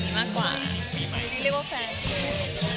เรียกว่าแฟน